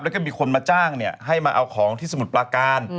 แล้วก็มีคนมาจ้างเนี่ยให้มาเอาของที่สมุทรปลาการ